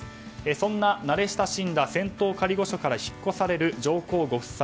そんな慣れ親しんだ仙洞仮御所から引っ越される上皇ご夫妻。